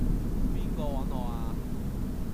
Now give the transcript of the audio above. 邊個搵我呀?